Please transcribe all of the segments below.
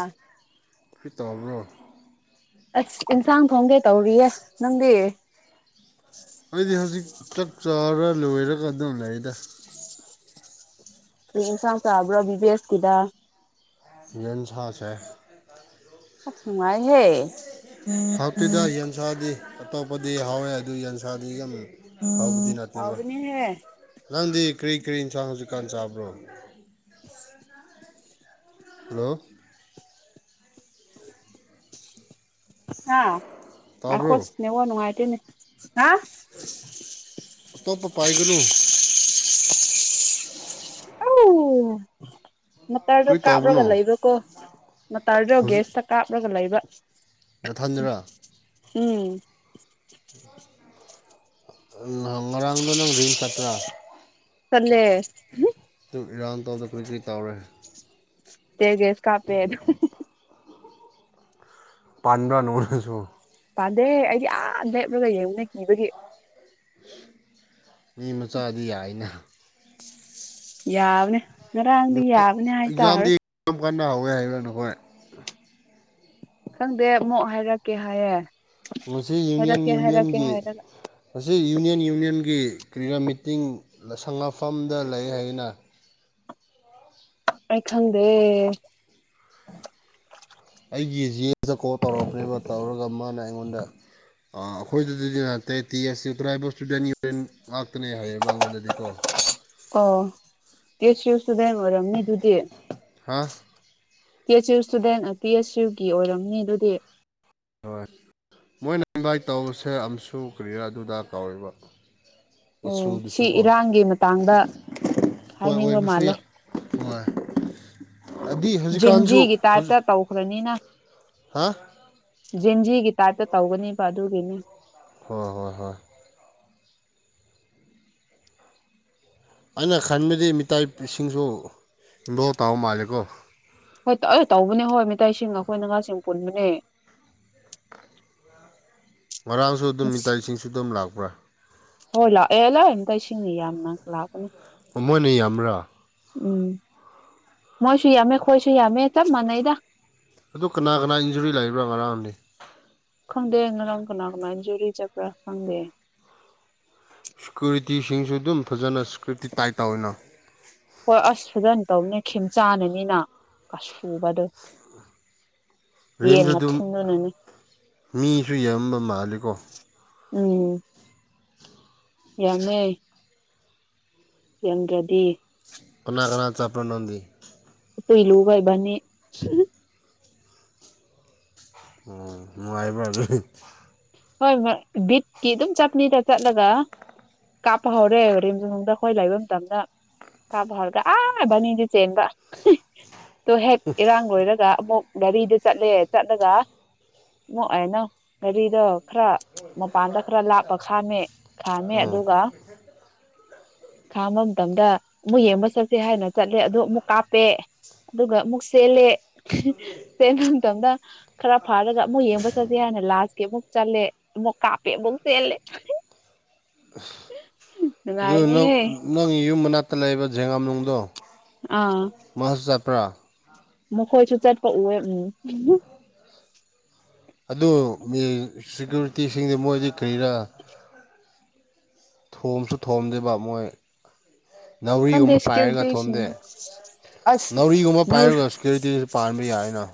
ꯑꯥ [unintelligible] ꯇꯧꯕ꯭ꯔꯣ ꯑꯁ ꯏꯟꯁꯥꯡ ꯊꯣꯡꯒꯦ ꯇꯧꯔꯤꯌꯦ ꯅꯪꯗꯤ ꯑꯩꯗꯤ ꯍꯧꯖꯤꯛ ꯆꯛ ꯆꯥꯔꯥ ꯂꯣꯏꯔꯒ ꯑꯗꯨꯝ ꯂꯩꯗ ꯀ꯭ꯔꯤ ꯏꯟꯁꯥꯡ ꯆꯥꯕ꯭ꯔꯥ ꯑꯗꯨꯗꯤ ꯑꯁꯤꯗꯥ ꯌꯦꯟꯁꯥ ꯆꯥꯏ ꯅꯨꯡꯉꯥꯏꯍꯦ ꯍꯥꯎꯇꯦꯗ ꯌꯦꯟꯁꯥꯗꯤ ꯑꯇꯣꯞꯄꯗꯤ ꯍꯥꯎꯋꯦ ꯑꯗꯨ ꯌꯦꯟꯁꯥꯗꯤ ꯌꯝ ꯍꯥꯎꯗꯤ ꯅꯠ ꯍꯥꯎꯕꯅꯤꯍꯦ ꯅꯪꯗꯤ ꯀꯔꯤ ꯀꯔꯤ ꯏꯟꯁꯥꯡ ꯍꯧꯖꯤꯛꯀꯥꯟ ꯆꯥꯕ꯭ꯔꯣ ꯍꯜꯂꯣ ꯍꯥ ꯉꯥꯏꯈꯣ ꯇꯥꯕ꯭ꯔꯣ ꯅꯦꯠꯋꯥꯛ ꯅꯨꯡꯉꯥꯏꯇꯦꯅꯦ ꯍꯥ ꯑꯇꯣꯞꯄ ꯄꯥꯏꯒꯅꯨ ꯑꯣ ꯃꯇꯔꯗꯣ ꯀꯔꯤ ꯀꯥꯞꯔꯒ ꯇꯧꯕꯅꯣ ꯂꯩꯕꯀꯣ ꯃꯇꯔꯗꯣ ꯍꯧꯖꯤꯛ ꯒꯦꯁꯇꯥ ꯀꯥꯞꯔꯒ ꯂꯩꯕ ꯅꯊꯟꯗꯔꯥ ꯎꯝ ꯉꯔꯥꯡꯗꯣ ꯅꯪ ꯔꯤꯝ ꯆꯠꯄ꯭ꯔꯥ ꯆꯠꯂꯦ ꯑꯗꯨ ꯏꯔꯥꯡ ꯇꯧꯕꯗꯣ ꯀꯔꯤ ꯀꯔꯤ ꯇꯧꯔꯦ ꯇꯥꯌꯥꯔ ꯒꯦꯁ ꯀꯥꯞꯄꯦ ꯑꯗꯨ ꯄꯥꯟꯕ꯭ꯔꯥ [unintelligible] ꯄꯥꯟꯗꯦ ꯑꯩꯗꯤ ꯑꯥ ꯂꯦꯞꯔꯒ ꯌꯦꯡꯕꯅꯦ ꯀꯤꯕꯒꯤ ꯃꯤ ꯃꯆꯥꯗꯤ ꯌꯥꯏꯅ ꯌꯥꯕꯅꯦ ꯉꯔꯥꯡꯗꯤ ꯌꯥꯕꯅꯦ ꯑꯦꯛꯖꯥꯝꯗꯤ ꯍꯥꯏꯇꯥꯔꯦ [unintelligible] ꯍꯧꯋꯦ ꯍꯥꯏꯕ꯭ꯔꯥ ꯅꯈꯣꯏ ꯈꯪꯗꯦ ꯑꯃꯨꯛ ꯍꯥꯏꯔꯛꯀꯦ ꯍꯥꯏꯌꯦ ꯉꯁꯤ ꯌꯨꯅꯤꯌꯟ ꯍꯥꯏꯔꯛꯀꯦ ꯍꯥꯏꯔꯛꯀꯦ ꯌꯨꯅꯤꯌꯟꯒꯤ ꯍꯥꯏꯔꯒ ꯉꯁꯤ ꯌꯨꯅꯤꯌꯟ ꯌꯨꯅꯤꯌꯟꯒꯤ ꯀꯔꯤꯌꯥ ꯃꯤꯇꯤꯡ ꯂꯥꯏꯁꯪ ꯒꯥꯥꯐꯝꯗ ꯂꯩꯌꯦ ꯍꯥꯏꯌꯦꯅꯥ ꯑꯩ ꯈꯪꯗꯦ ꯑꯩꯒꯤ ꯖꯤ ꯑꯦꯐꯗ ꯀꯣꯜ ꯇꯧꯔꯛꯄꯅꯦꯕ ꯇꯧꯔꯒ ꯃꯥꯅ ꯑꯩꯉꯣꯟꯗ ꯑꯥ ꯑꯈꯣꯏꯗꯗꯤ ꯅꯠꯇꯦ T S U tribal student union ꯉꯥꯛꯇꯅꯦ ꯍꯥꯏꯌꯦꯕ ꯑꯉꯣꯟꯗꯗꯤꯀꯣ ꯑꯣ ꯑꯦꯁ ꯌꯨ ꯁ꯭ꯇꯨꯗꯦꯟ ꯑꯣꯏꯔꯝꯅꯤ ꯑꯗꯨꯗꯤ ꯍꯥ T S U student T S ꯌꯨꯒꯤ ꯑꯣꯏꯔꯝꯅꯤ ꯑꯗꯨꯗꯤ ꯍꯣꯏ ꯃꯣꯏꯅ ꯏꯟꯚꯥꯏꯠ ꯇꯧꯕꯁꯦ ꯑꯝꯁꯨ ꯀꯔꯤꯔ ꯑꯗꯨꯗ ꯀꯧꯔꯦꯕ ꯑꯣ ꯁꯤ ꯏꯔꯥꯡꯒꯤ ꯃꯇꯥꯡꯗ ꯍꯣꯏ ꯍꯥꯏꯅꯤꯡꯕ ꯑꯣꯏꯕꯁꯨ ꯌꯥ ꯍꯣꯏ ꯑꯗꯤ ꯍꯧꯖꯤꯛꯀꯥꯟꯁꯨ ꯖꯤꯟꯖꯤꯒꯤ ꯍꯧꯖꯤꯛ ꯇꯥꯏꯞꯇ ꯇꯧꯈ꯭ꯔꯅꯤꯅ ꯍꯥ ꯖꯦꯟꯖꯤꯒꯤ ꯇꯥꯏꯞꯇ ꯇꯧꯒꯅꯤꯕ ꯑꯗꯨꯒꯤꯅꯤ ꯍꯣ ꯍꯣ ꯍꯣꯏ ꯑꯩꯅ ꯈꯟꯕꯗꯤ ꯃꯤꯇꯩ ꯁꯤꯡꯁꯨ [unintelligible] ꯃꯥꯜꯂꯤꯀꯣ ꯍꯣꯏ ꯇꯧꯕꯅꯦ ꯍꯣꯏ ꯃꯤꯇꯩꯁꯤꯡ ꯑꯩꯈꯣꯏ ꯅꯒꯥꯁꯤꯡ ꯄꯨꯟꯕꯅꯦ ꯉꯔꯥꯡꯁꯨ ꯑꯗꯨꯝ ꯃꯤꯇꯩꯁꯤꯡꯁꯨ ꯑꯗꯨꯝ ꯂꯥꯛꯄ꯭ꯔꯥ ꯍꯣꯏ ꯂꯥꯛꯑꯦ ꯂꯥꯛꯑꯦ ꯃꯤꯇꯩꯁꯤꯡꯅ ꯌꯥꯝꯅ ꯂꯥꯛꯄꯅꯦ ꯃꯣꯏꯅ ꯌꯥꯝꯕꯔꯥ ꯎꯝ ꯃꯣꯏꯁꯨ ꯌꯥꯝꯃꯦ ꯈꯣꯏꯁꯨ ꯌꯥꯝꯃꯦ ꯆꯞ ꯃꯥꯟꯅꯩꯗ ꯑꯗꯨ ꯀꯅꯥ ꯀꯅꯥ ꯏꯟꯖꯨꯔꯤ ꯂꯩꯕ꯭ꯔꯥ ꯉꯔꯥꯡꯗꯤ ꯈꯪꯗꯦ ꯉꯔꯥꯡ ꯀꯅꯥ ꯀꯅꯥ ꯏꯟꯖꯨꯔꯤ ꯆꯠꯄꯔꯥ ꯈꯪꯗꯦ ꯁꯦꯀ꯭ꯌꯨꯔꯤꯇꯤꯁꯤꯡꯁꯨ ꯑꯗꯨꯝ ꯐꯖꯅ ꯁꯦꯀ꯭ꯌꯨꯔꯤꯇꯤ ꯇꯥꯏꯠ ꯇꯧꯋꯦꯅ ꯍꯣꯏ ꯑꯁ ꯐꯖꯅ ꯇꯧꯅꯤ ꯈꯦꯝꯆꯥꯥꯟꯅꯅꯤꯅ [unintelligible] ꯔꯤꯝꯖ ꯑꯗꯨꯝ ꯊꯨꯝꯗꯨꯅꯅꯦ ꯃꯤꯁꯨ ꯌꯥꯝꯕ ꯃꯥꯜꯂꯤꯀꯣ ꯎꯝ ꯌꯥꯝꯃꯦ ꯌꯥꯝꯗ꯭ꯔꯗꯤ ꯀꯅꯥ ꯀꯅꯥ ꯆꯠꯄꯔꯥ ꯅꯪꯗꯤ ꯑꯩꯈꯣꯏ ꯂꯨꯒ ꯏꯕꯅꯤ ꯑꯣ ꯅꯨꯡꯉꯥꯏꯕ ꯑꯗꯨꯗꯤ ꯍꯣꯏ ꯍꯣꯏ ꯕꯤꯠꯀꯤ ꯑꯗꯨꯝ ꯆꯠꯄꯅꯤꯗ ꯆꯠꯂꯒ ꯀꯥꯞꯄ ꯍꯧꯔꯦ ꯔꯤꯝꯁꯂꯣꯝꯗ ꯑꯩꯈꯣꯏ ꯂꯩꯕ ꯃꯇꯝꯅ ꯀꯥꯞꯄ ꯍꯧꯔꯒ ꯑꯥ ꯏꯕꯥꯅꯤ ꯆꯦꯟꯕ ꯑꯗꯨ ꯍꯦꯛ ꯏꯔꯥꯡ ꯂꯣꯏꯔꯒ ꯑꯃꯨꯛ ꯒꯥꯔꯤꯗ ꯆꯠꯂꯦ ꯆꯠꯂꯒ ꯑꯃꯨꯛ ꯍꯥꯏꯅꯣ ꯒꯥꯔꯤꯗꯣ ꯈꯔ ꯃꯄꯥꯟꯗ ꯈꯔ ꯂꯥꯞꯄ ꯈꯥꯝꯃꯦ ꯈꯥꯝꯃꯦ ꯑꯣ ꯑꯗꯨꯒ ꯈꯥꯝꯕ ꯃꯇꯝꯗ ꯑꯃꯨꯛ ꯌꯦꯡꯕ ꯆꯠꯁꯦ ꯍꯥꯏꯅ ꯆꯠꯂꯦ ꯑꯗꯣ ꯑꯃꯨꯛ ꯀꯥꯞꯄꯦ ꯑꯗꯨꯒ ꯑꯃꯨꯛ ꯆꯦꯜꯂꯦ ꯆꯦꯟꯕ ꯃꯇꯝꯗ ꯈꯔ ꯐꯥꯔꯒ ꯑꯃꯨꯛ ꯌꯦꯡꯕ ꯆꯠꯁꯦ ꯍꯥꯏꯅ ꯂꯥꯁꯀꯤ ꯑꯃꯨꯛ ꯆꯠꯂꯦ ꯑꯃꯨꯛ ꯀꯥꯞꯄꯦ ꯑꯃꯨꯛ ꯆꯦꯜꯂꯦ ꯑꯗꯨ ꯅꯨꯡꯉꯥꯏꯅꯦꯍꯦ ꯅꯪꯒꯤ ꯌꯨꯝ ꯃꯅꯥꯛꯇ ꯂꯩꯕ ꯖꯦꯡꯉꯝꯂꯨꯡꯗꯣ ꯑꯥ ꯃꯈꯣꯏꯁꯨ ꯆꯠꯄ ꯎꯌꯦ ꯎꯝ ꯑꯗꯨ ꯃꯤ ꯁꯦꯀ꯭ꯌꯨꯔꯤꯇꯤꯁꯤꯡꯗꯤ ꯃꯣꯏꯗꯤ ꯀꯔꯤꯔꯥ ꯊꯣꯝꯁꯨ ꯊꯣꯝꯗꯦꯕ ꯃꯣꯏ ꯈꯪꯗꯦ ꯅꯥꯎꯔꯤꯒꯨꯝꯕ ꯄꯥꯏꯔꯒ ꯊꯣꯝꯗꯦ ꯁꯦꯀ꯭ꯌꯨꯔꯤꯇꯤꯁꯤꯡꯗꯣ ꯑꯁ ꯅꯥꯎꯔꯤꯒꯨꯝꯕ ꯄꯥꯏꯔꯒ ꯁꯦꯀꯌꯨꯔꯤꯇꯤ ꯄꯥꯟꯕ ꯌꯥꯏꯅ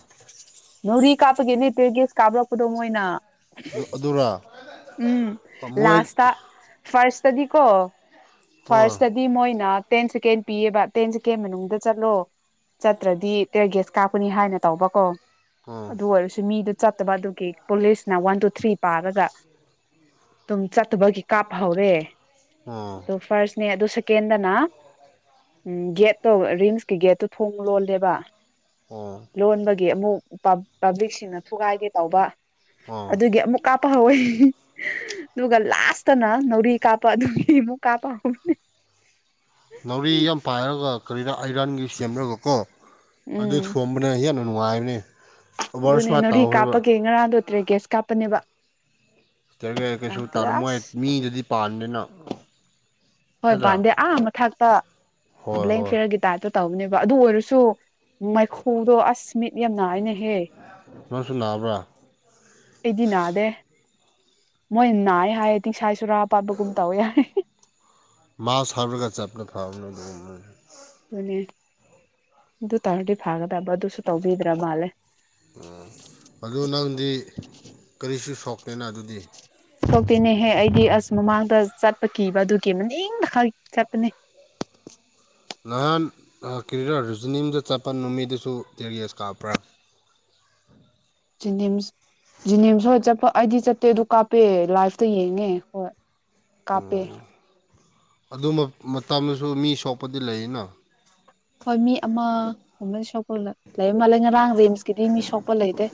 ꯅꯥꯎꯔꯤ ꯀꯥꯞꯄꯒꯤ ꯇꯤꯌꯔꯒꯌꯁ ꯀꯥꯞꯔꯛꯄꯗꯣ ꯃꯣꯏꯅ ꯑꯗꯨ ꯑꯗꯨꯔꯥ ꯎꯝ ꯃꯣꯏ ꯂꯥꯁꯇ ꯐꯔꯁꯇꯗꯤꯀꯣ ꯍꯣꯏ ꯐꯔꯁꯇꯗꯤ ꯗꯤ ꯃꯣꯏꯅ ꯇꯦꯟ ꯁꯦꯀꯦꯟ ꯄꯤꯌꯦꯕ ꯇꯦꯟ ꯁꯦꯀꯦꯟ ꯃꯅꯨꯡꯗ ꯆꯠꯂꯣ ꯆꯠꯇ꯭ꯔꯗꯤ ꯇꯌꯔꯒꯦꯁ ꯀꯥꯞꯀꯅꯤ ꯍꯥꯏꯅ ꯇꯧꯕꯀꯣ ꯑꯣ ꯑꯗꯨ ꯑꯣꯏꯔꯁꯨ ꯃꯤꯗꯨ ꯆꯠꯇꯕ ꯑꯗꯨꯒꯤ ꯄꯨꯂꯤꯁꯅ ꯋꯥꯟ ꯇꯨ ꯊ꯭ꯔꯤ ꯄꯥꯔꯒ ꯑꯗꯨꯝ ꯆꯠꯇꯕꯒꯤ ꯀꯥꯞꯄ ꯍꯧꯔꯦ ꯑꯣ ꯐꯔꯁꯅꯦ ꯑꯗꯨ ꯁꯀꯦꯟꯗꯅ ꯎꯝ ꯒꯦꯠꯇꯣ ꯔꯤꯝꯁꯀꯤ ꯒꯦꯠꯇꯨ ꯊꯣꯡ ꯂꯣꯜꯂꯦꯕ ꯑꯣ ꯂꯣꯟꯕꯒꯤ ꯑꯃꯨꯛ ꯄꯥꯕ꯭ꯂꯤꯛꯁꯤꯡꯅ ꯊꯨꯒꯥꯏꯒꯦ ꯇꯧꯕ ꯑꯣ ꯑꯗꯨꯒꯤ ꯑꯃꯨꯛ ꯀꯥꯞꯄ ꯍꯧꯏ ꯑꯗꯨꯒ ꯂꯥꯁꯇꯅ ꯅꯥꯎꯔꯤ ꯀꯥꯞꯄ ꯑꯗꯨꯒꯤꯃꯨꯛ ꯀꯥꯞꯄ ꯍꯧꯕꯅꯦ ꯅꯥꯎꯔꯤ ꯌꯥꯝ ꯄꯥꯏꯔꯒ ꯀꯔꯤꯗ ꯑꯥꯏꯔꯟꯒꯤ ꯁꯦꯝꯔꯒꯀꯣ ꯑꯗꯨ ꯎꯝ ꯊꯣꯝꯕꯅ ꯌꯥꯝꯅ ꯅꯨꯡꯉꯥꯏꯔꯅꯤ ꯑꯗꯨꯅꯦ ꯅꯣꯔꯤ ꯀꯥꯞꯄꯒꯦ ꯉꯔꯥꯡꯗꯣ ꯇꯌꯔꯒꯦꯁ ꯀꯥꯞꯄꯅꯦꯕ ꯇꯌꯔꯒꯦꯁ ꯀꯩꯁꯨ ꯑꯗꯨꯗ ꯇꯔꯝꯃꯣꯏ ꯑꯁ ꯃꯤꯗꯗꯤ ꯄꯥꯟꯗꯦꯅ ꯍꯣꯏ ꯅꯠꯇ꯭ꯔꯥ ꯄꯥꯟꯗꯦ ꯑꯥ ꯃꯊꯥꯛꯇ ꯍꯣꯏ ꯕ꯭ꯂꯦꯡ ꯍꯣꯏ ꯐꯌꯥꯔꯒꯤ ꯇꯥꯏꯞꯇꯣ ꯇꯧꯕꯅꯦꯕ ꯑꯗꯨ ꯑꯣꯏꯔꯁꯨ ꯃꯩꯈꯨꯗꯣ ꯑꯁ ꯃꯤꯠ ꯌꯥꯝ ꯅꯥꯢꯅꯍꯦ꯫ ꯅꯪꯁꯨ ꯅꯥꯕ꯭ꯔꯥ꯫ ꯑꯩꯗꯤ ꯅꯥꯗꯦ ꯃꯣꯏ ꯅꯥꯏ ꯍꯥꯏ ꯇꯤꯡꯁꯥꯏ ꯆꯨꯔꯥꯄꯥꯠꯄꯒꯨꯝ ꯇꯧꯋꯦ ꯍꯥꯏ ꯃꯥꯁꯛ ꯍꯥꯞꯔꯒ ꯆꯞꯄ ꯐꯕꯅꯤ ꯑꯗꯨꯒꯨꯝꯕꯩꯗꯤ꯫ ꯍꯣꯏꯅꯦ ꯑꯗꯨ ꯇꯥꯔꯗꯤ ꯐꯥꯒꯗꯕ ꯑꯗꯨꯁꯨ ꯇꯧꯕꯤꯗ꯭ꯔ ꯃꯥꯜꯂꯦ꯫ ꯑꯣ ꯑꯗꯨ ꯅꯪꯗꯤ ꯀꯔꯤꯁꯨ ꯁꯣꯛꯇꯦꯅ ꯑꯗꯨꯗꯤ ꯁꯣꯛꯇꯦꯅꯦꯍꯦ ꯑꯩꯗꯤ ꯑꯁ ꯃꯃꯥꯡꯗ ꯆꯠꯄ ꯀꯤꯕ ꯑꯗꯨꯒꯤ ꯃꯅꯤꯡ ꯈꯛ ꯆꯠꯄꯅꯦ꯫ ꯅꯍꯥꯟ ꯀꯔꯤꯔ ꯔꯤꯖꯅꯤꯡꯗ ꯆꯠꯄ ꯅꯨꯃꯤꯠꯠꯇꯁꯨ ꯇꯦꯔꯤꯌꯦꯁ ꯀꯥꯞꯄ꯭ꯔꯥ ꯖꯦꯅꯤꯝꯁ ꯖꯤꯅꯤꯝꯁ ꯍꯣꯏ ꯆꯠꯄ ꯑꯩꯗꯤ ꯆꯠꯇꯦ ꯑꯗꯨ ꯀꯥꯞꯄꯦ ꯂꯥꯏꯐꯇ ꯌꯦꯡꯉꯦ ꯍꯣꯏ꯫ ꯀꯥꯞꯄꯦ ꯑꯣ ꯑꯗꯨ ꯃꯇꯝꯗꯁꯨ ꯃꯤ ꯁꯣꯛꯄꯗꯤ ꯂꯩꯌꯦꯅ ꯍꯣꯏ ꯃꯤ ꯑꯃ ꯁꯣꯛꯄ ꯂꯩ ꯃꯥꯜꯂꯦ ꯉꯔꯥꯡ ꯔꯤꯝꯁꯀꯤꯗꯤ ꯃꯤ ꯁꯣꯛꯄ ꯂꯩꯇꯦ꯫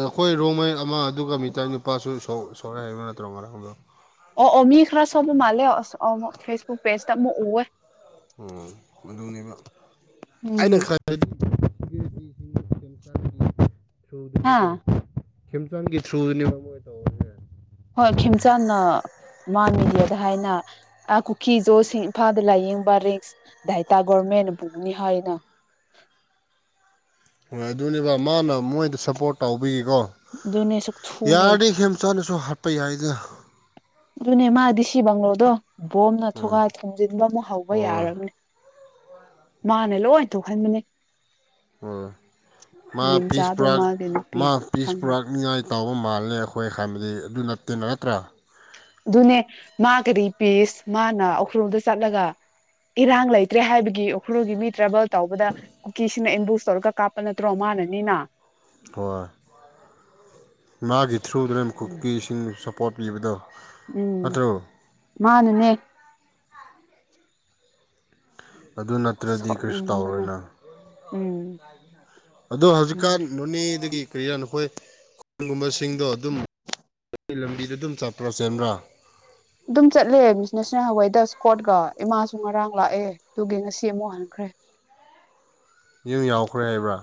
ꯑꯩꯈꯣꯏ ꯔꯣꯃꯩ ꯑꯃ ꯑꯗꯨꯒ ꯃꯤꯇꯩ ꯅꯨꯄꯥꯁꯨ ꯁꯣꯛ ꯁꯣꯛꯑꯦ ꯍꯥꯏꯕ ꯅꯠꯇ꯭ꯔꯣ ꯉꯔꯥꯡꯗꯣ꯫ ꯑꯣ ꯑꯣ ꯃꯤ ꯈ꯭ꯔ ꯁꯣꯛꯄ ꯃꯥꯜꯂꯦ ꯐꯦꯁꯕꯨꯨꯛ ꯄꯦꯖ ꯇ ꯑꯃꯨꯛ ꯎꯋꯦ꯫ ꯑꯣ ꯑꯗꯨꯅꯦꯕ ꯑꯩꯅ ꯎꯝ ꯈꯠ ꯍꯥ ꯊ꯭ꯔꯨꯗꯅꯤꯀꯣ ꯈꯦꯝꯆꯥꯡꯒꯤ ꯊ꯭ꯔꯨꯗꯨꯅꯤ ꯃꯣꯏ ꯇꯧ ꯍꯣꯏ ꯈꯦꯝꯆꯥꯟꯅ ꯃꯥ ꯃꯦꯗꯤꯌꯥꯗ ꯍꯥꯏꯅ ꯑ ꯀꯨꯀꯤ ꯖꯣꯁꯤꯡ ꯏꯝꯐꯥꯜꯗ ꯂꯥꯏꯌꯦꯡꯕ ꯔꯤꯡꯁ ꯗꯥꯥꯏ ꯇꯒꯣꯔꯃꯦꯟꯅ ꯄꯨꯒꯅꯤ ꯍꯥꯏꯅ꯫ ꯍꯣꯏ ꯑꯗꯨꯅꯦꯕ ꯃꯥꯅ ꯃꯣꯏꯗ ꯁꯞꯄꯣꯔꯠ ꯇꯧꯕꯤꯀꯣ ꯑꯗꯨꯅꯦ ꯁꯛꯊꯨꯅꯦ ꯌꯥꯔꯗꯤ ꯈꯦꯝꯆꯥꯥꯟꯗꯨꯁꯨ ꯍꯥꯠꯄ ꯌꯥꯏꯗ꯫ ꯑꯗꯨꯅꯦ ꯃꯥꯗꯤ ꯁꯤ ꯕꯪꯂꯣꯗꯣ ꯕꯣꯝꯅ ꯎꯝ ꯊꯨꯒꯥꯏ ꯊꯣꯝꯖꯤꯟꯕ ꯑꯃꯨꯛ ꯍꯧꯕ ꯍꯣꯏ ꯌꯥꯔꯕꯅꯤ ꯃꯥꯅꯦ ꯂꯣꯏ ꯊꯣꯛꯍꯟꯕꯅꯦ꯫ ꯑꯣ ꯃꯥ ꯄꯤꯁ ꯅꯤꯝꯆꯥꯗꯣ ꯄꯨꯔ ꯃꯥꯒꯤ ꯅꯨꯄꯤ ꯃꯥ ꯄꯤꯁ ꯈꯪꯗꯦ ꯄꯨꯔꯛꯅꯤꯡꯉꯥꯏ ꯇꯧꯕ ꯃꯥꯜꯂꯦ ꯑꯩꯈꯣꯏ ꯍꯥꯏꯕꯗꯤ ꯑꯗꯨ ꯅꯠꯇꯦ ꯅꯠꯇ꯭ꯔꯥ꯫ ꯑꯗꯨꯅꯦ ꯃꯥ ꯀꯔꯤ ꯄꯤꯁ ꯃꯥꯅ ꯎꯈ꯭ꯔꯣꯜꯗ ꯆꯠꯂꯒ ꯏꯔꯥꯡ ꯂꯩꯇ꯭ꯔꯦ ꯍꯥꯏꯕꯗꯤ ꯒꯤ ꯎꯈ꯭ꯔꯨꯜꯒꯤ ꯃꯤ ꯇ꯭ꯔꯥꯕꯦꯜ ꯇꯧꯕꯗ ꯀꯨꯀꯤꯁꯤꯅ ꯑꯦꯝꯕꯨꯁ ꯇꯧꯔꯒ ꯀꯥꯞꯄ ꯅꯠꯇ꯭ꯔꯣ ꯃꯥꯅꯅꯤꯅ ꯍꯣꯏ ꯃꯥꯒꯤ ꯊ꯭ꯔꯨꯗꯨꯅꯦ ꯀꯨꯀꯤꯁꯤꯡ ꯁꯞꯄꯣꯔꯠ ꯄꯤꯕꯗꯣ꯫ ꯎꯝ ꯅꯠꯇ꯭ꯔꯣ ꯃꯥꯅꯅꯦ ꯑꯗꯨ ꯅꯠꯇ꯭ꯔꯗꯤ ꯀꯩꯁꯨ ꯁꯣꯠꯅꯤꯡꯕꯅ ꯇꯧꯔꯣꯏꯅ꯫ ꯎꯝ꯫ ꯑꯗꯣ ꯑꯗꯨꯅꯦ ꯍꯧꯖꯤꯛꯀꯥꯟ ꯅꯣꯅꯦꯗꯒꯤ ꯀꯔꯤꯔꯥ ꯅꯈꯣꯏ ꯒꯨꯝꯕꯁꯤꯡꯗꯣ ꯑꯗꯨꯝ [unintelligible] ꯂꯝꯕꯤꯗ ꯑꯗꯨꯝ ꯆꯠꯄ꯭ꯔꯣ ꯆꯦꯟꯕ꯭ꯔꯥ꯫ ꯑꯗꯨꯝ ꯆꯠꯂꯦ ꯅꯦꯁꯅꯦꯜ ꯍꯥꯏꯋꯦꯗ ꯏꯁꯀꯣꯔꯠꯀ ꯏꯃꯥꯁꯨ ꯉꯔꯥꯡ ꯂꯥꯛꯑꯦ꯫ ꯑꯗꯨꯒꯤ ꯉꯁꯤ ꯑꯃꯨꯛ ꯍꯟꯈ꯭ꯔꯦ꯫ ꯌꯨꯝ ꯌꯥꯎꯈ꯭ꯔꯦ ꯍꯥꯏꯕ꯭ꯔꯥ꯫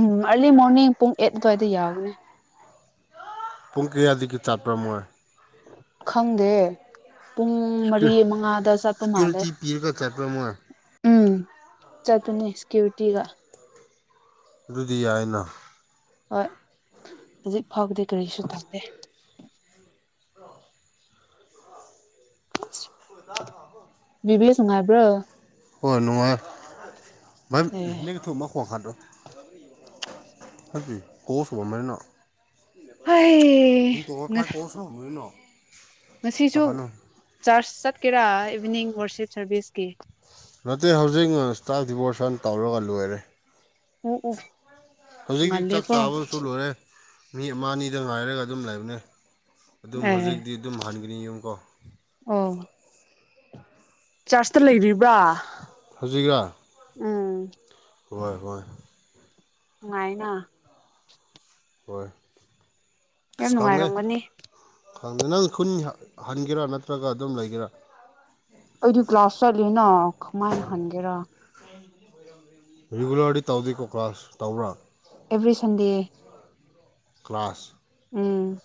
ꯎꯝ ꯑꯥꯔꯂꯤ ꯃꯣꯔꯅꯤꯡ ꯄꯨꯡ ꯑꯩꯠ ꯑꯗꯨꯋꯥꯏꯗ ꯌꯥꯕꯅꯦ꯫ ꯄꯨꯡ ꯀꯌꯥꯗꯒꯤ ꯆꯥꯄ꯭ꯔ ꯃꯣꯏ꯫ ꯈꯪꯗꯦ ꯄꯨꯡ ꯃꯔꯤ ꯃꯉꯥꯗ ꯆꯠꯄ ꯃꯥꯜꯂꯦ꯫ ꯁꯦꯀ꯭ꯌꯨꯔꯤꯇꯤ ꯄꯤꯔꯒ ꯆꯠꯄ꯭ꯔꯥ ꯃꯣꯏ ꯎꯝ ꯆꯠꯄꯅꯦ ꯁꯦꯀ꯭ꯌꯨꯔꯤꯇꯤꯒ꯫ ꯑꯗꯨꯗꯤ ꯌꯥꯏꯅ꯫ ꯍꯣꯏ ꯍꯧꯖꯤꯛ ꯐꯥꯎꯕꯗꯤ ꯀꯔꯤꯁꯨ ꯇꯧꯗꯦ꯫ [unintelligible] ꯕꯤꯕ꯭ꯂꯦꯁ ꯅꯨꯡꯉꯥꯏꯕ꯭ꯔꯣ꯫ ꯍꯣꯏ ꯑꯦ ꯅꯨꯡꯉꯥꯏꯌꯦ [unintelligible] [unintelligible] ꯍꯩ [unintelligible] [unintelligible] ꯉꯁꯤꯁꯨ ꯇꯥꯈꯥꯅꯨ ꯆꯥꯔꯖ ꯆꯠꯀꯦꯔꯥ ꯏꯚꯅꯤꯡ ꯋꯥꯔꯁꯤꯞ ꯁꯥꯔꯚꯤꯁꯀꯤ ꯅꯠꯇꯦ ꯍꯧꯖꯤꯛ ꯏꯁꯇꯥꯐ ꯗꯤꯕꯣꯔꯁꯟ ꯇꯧꯔꯒ ꯂꯣꯏꯔꯦ ꯎꯝ ꯎꯝ ꯍꯧꯖꯤꯛꯇꯤ ꯆꯥꯛ ꯆꯥꯕ ꯑꯃꯁꯨ ꯂꯣꯏꯔꯦ ꯃꯤ ꯑꯃ ꯑꯅꯤꯗ ꯉꯥꯏꯔꯒ ꯑꯗꯨꯝ ꯂꯩꯕꯅꯦ ꯑꯗꯨꯝ ꯑꯦ ꯍꯧꯖꯤꯛꯇꯤ ꯑꯗꯨꯝ ꯍꯟꯒꯅꯤ ꯌꯨꯝꯀꯣ ꯑꯣ ꯆ꯭ꯔꯁꯇ ꯂꯩꯔꯤꯕ꯭ꯔꯥ ꯍꯧꯖꯤꯛꯂ ꯎꯝ ꯍꯣꯏ ꯍꯣꯏ ꯅꯨꯉꯥꯏꯅ ꯍꯣꯏ ꯌꯥꯝ ꯑꯁ ꯈꯪꯗꯦ ꯅꯨꯡꯉꯥꯏꯔꯝꯒꯅꯤ ꯈꯪꯗꯦ ꯅꯪ ꯈꯨꯟ ꯍꯟꯒꯦꯔꯥ ꯅꯠꯇ꯭ꯔꯒ ꯑꯗꯨꯝ ꯂꯩꯒꯦꯔꯥ ꯑꯩꯗꯤ ꯀꯂꯥꯁ ꯆꯠꯂꯦꯅ ꯀꯃꯥꯏꯅ ꯍꯟꯒꯦꯔꯥ ꯔꯤꯒꯨꯂꯔꯗꯤ ꯇꯧꯗꯦꯀꯣ ꯀ꯭ꯂꯥꯁ ꯇꯧꯕ꯭ꯔꯥ ꯑꯦꯕ꯭ꯔꯤ ꯁꯟꯗꯦ ꯀ꯭ꯂꯥꯁ ꯎꯝ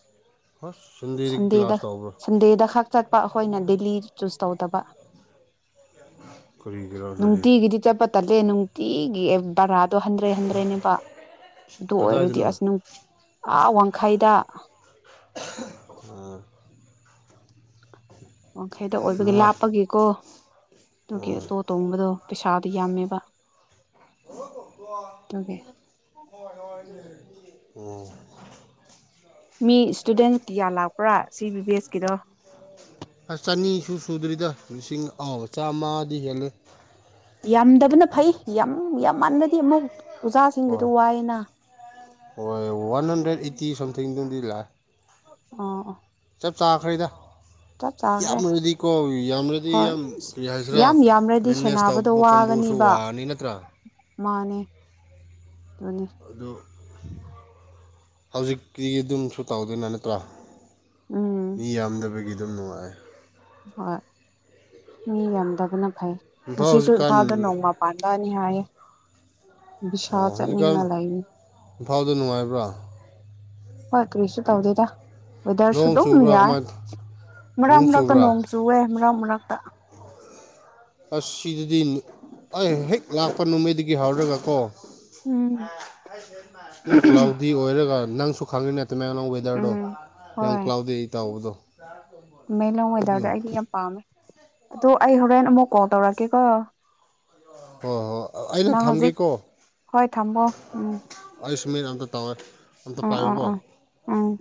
ꯍꯁ [unintelligible] ꯁꯟꯗꯦꯗ ꯁꯟꯗꯦꯗ ꯈꯛ ꯆꯠꯄ ꯑꯩꯈꯣꯏꯅ ꯗꯦꯂꯤ ꯆꯨꯁ ꯇꯧꯗꯕ ꯀꯔꯤꯒꯤꯔꯥ ꯑꯗꯨꯗꯤ ꯅꯨꯡꯇꯤꯒꯤꯗꯤ ꯆꯠꯄ ꯇꯜꯂꯦ ꯅꯨꯡꯇꯤꯒꯤ ꯑꯦ ꯕꯥꯥꯔꯥꯗꯣ ꯍꯟꯗ꯭ꯔꯦꯠ ꯍꯟꯗ꯭ꯔꯦꯠꯅꯦꯕ ꯑꯗꯨ ꯑꯣꯏꯔꯗꯤ ꯀꯗꯥꯏꯗꯅꯣ ꯑꯁ ꯑ ꯋꯥꯡꯈꯩꯗ ꯑꯥ ꯋꯥꯡꯈꯩꯗ ꯑꯣꯏꯕꯒꯤ ꯅꯨꯡꯉꯥꯏ ꯂꯥꯞꯄꯒꯤꯀꯣ ꯑꯗꯨꯒꯤ ꯑꯣꯇꯣ ꯇꯣꯡꯕꯗꯣ ꯄꯩꯁꯥꯗꯨ ꯌꯥꯝꯃꯦꯕ [unintelligible] ꯑꯗꯨꯒꯤ ꯎꯝ ꯃꯤ ꯏꯁꯇꯨꯗꯦꯟ ꯀꯌꯥ ꯂꯥꯛꯄ꯭ꯔꯥ ꯁꯤ ꯕꯤ ꯕꯤ ꯑꯦꯁ ꯀꯤꯗꯣ ꯑꯁ ꯆꯅꯤ ꯁꯨꯗ꯭ꯔꯤꯗ ꯂꯤꯁꯤꯡ ꯑꯃ ꯆꯥꯝꯃꯗꯤ ꯍꯦꯜꯂꯦ ꯌꯥꯝꯗꯕꯅ ꯐꯩ ꯌꯥꯝ ꯌꯥꯝ ꯃꯥꯟꯕꯗꯤ ꯑꯃꯨꯛ ꯑꯣꯖꯥꯁꯤꯡꯗꯨꯗ ꯍꯣꯏ ꯋꯥꯏꯑꯦꯅ ꯍꯣꯏ ꯋꯥꯟ ꯍꯟꯗ꯭ꯔꯦꯗ ꯑꯩꯠꯇꯤ ꯁꯝꯊꯤꯡꯗꯨꯝꯗꯤ ꯂꯥꯛꯑꯦ ꯑꯣ ꯑꯣ ꯆꯞ ꯆꯥꯈ꯭ꯔꯦꯗ ꯆꯞ ꯆꯥꯈ꯭ꯔꯦ ꯌꯥꯝꯔꯗꯤꯀꯣ ꯌꯥꯝꯅꯗꯤ ꯍꯣꯏ ꯌꯥꯝ ꯑꯁ ꯀꯩ ꯍꯥꯏꯁꯤꯔꯥ ꯌꯥꯝ ꯌꯥꯝꯔꯗꯤ ꯃꯦꯅꯦꯖ ꯁꯦꯟꯅꯕꯗꯣ ꯇꯧꯕ ꯀꯥꯡꯕꯨꯁꯨ ꯋꯥꯒꯅꯤꯕ ꯋꯥꯅꯤ ꯅꯠꯇ꯭ꯔꯥ ꯃꯥꯅꯦ ꯑꯗꯨꯅꯤ ꯑꯗꯨ ꯍꯧꯖꯤꯛꯇꯤ ꯑꯗꯨꯝꯁꯨ ꯇꯧꯗꯣꯏꯅꯦ ꯅꯠꯇ꯭ꯔ ꯎꯝ ꯃꯤ ꯌꯥꯝꯗꯕꯒꯤ ꯑꯗꯨꯝ ꯅꯨꯡꯉꯥꯏ ꯍꯣꯏ ꯃꯤ ꯌꯥꯝꯗꯕꯅ ꯐꯩ ꯏꯝꯐꯥꯜ ꯉꯁꯤꯁꯨ ꯍꯧꯖꯤꯛꯀꯥꯟ ꯏꯝꯐꯥꯜꯗ ꯅꯣꯡꯃ ꯄꯥꯟꯕꯅꯤ ꯍꯥꯏꯌꯦ ꯕꯤꯁꯥꯜ ꯑꯣ ꯍꯧꯖꯤꯛꯀꯥꯟ ꯆꯠꯅꯤꯡꯉ ꯂꯩꯅꯤ ꯏꯝꯐꯥꯜ ꯗꯨ ꯅꯨꯡꯉꯥꯏꯕ꯭ꯔꯥ ꯍꯣꯏ ꯀꯔꯤꯁꯨ ꯇꯧꯗꯦꯗ ꯋꯦꯗꯔꯁꯨ ꯅꯣꯡ ꯑꯗꯨꯝ ꯆꯨꯕ꯭ꯔꯥ ꯌꯥꯏ ꯀꯃꯥꯏ ꯃꯔꯛ ꯅꯣꯡ ꯃꯔꯛꯇ ꯆꯨꯕ꯭ꯔꯥ ꯅꯣꯡ ꯆꯨꯨꯏꯌꯦ ꯃꯔꯛ ꯃꯔꯛꯇ ꯑꯁ ꯁꯤꯗꯗꯤ ꯑꯩ ꯍꯦꯛ ꯂꯥꯛꯄ ꯅꯨꯃꯤꯠꯇꯨꯗꯒꯤ ꯍꯧꯔꯒ ꯀꯣ ꯎꯝ ꯁꯨꯝ ꯀ꯭ꯂꯥꯎꯗꯤ ꯑꯣꯏꯔꯒ ꯅꯪꯁꯨ ꯈꯪꯉꯤ ꯅ ꯇꯃꯦꯡꯂꯣꯡ ꯋꯦꯗꯔꯗꯣ ꯎꯝ ꯌꯥꯝ ꯍꯣꯏ ꯀ꯭ꯂꯥꯎꯗꯤ ꯑꯩ ꯇꯧꯕꯗꯣ ꯇꯃꯦꯡꯂꯣꯡ ꯑꯗꯨ ꯋꯦꯗꯔꯗ ꯑꯩꯗꯤ ꯌꯥꯝ ꯄꯥꯝꯃꯦ ꯑꯗꯣ ꯑꯩ ꯍꯣꯔꯦꯟ ꯑꯃꯨꯛ ꯀꯣꯜ ꯇꯧꯔꯛꯀꯦꯀꯣ ꯍꯣꯏ ꯍꯣꯏ ꯑꯩꯅ ꯅꯪ ꯍꯧꯖꯤꯛ ꯊꯝꯒꯦꯀꯣ ꯍꯣꯏ ꯊꯝꯃꯣ ꯎꯝ ꯑꯁ ꯁꯨꯃꯥꯏꯅ ꯑꯗꯨꯝ ꯇꯧꯋꯦ ꯑꯝꯇ ꯎꯝ ꯎꯝ ꯄꯥꯏꯌꯨꯀꯣ ꯎꯝ ꯎꯝ